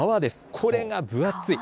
これが分厚い。